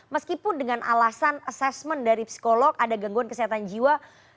meskipun dengan alasan asesmen dari psikolog ada gangguan kesehatan jiwa